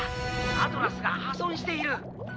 アトラスが破損している！」。